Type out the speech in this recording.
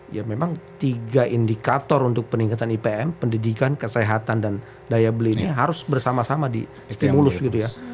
ya memang tiga indikator untuk peningkatan ipm pendidikan kesehatan dan daya beli ini harus bersama sama distimulus gitu ya